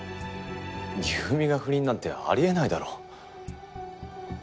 優美が不倫なんてあり得ないだろ。